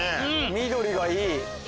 緑がいい。